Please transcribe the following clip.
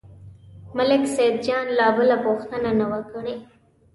ملک سیدجان لا بله پوښتنه نه وه کړې.